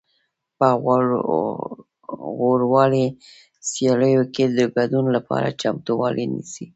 په غوراوي سیالیو کې د ګډون لپاره چمتووالی نیسي